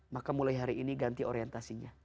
maka mulai hari ini ganti orientasinya